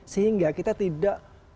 sehingga kita tidak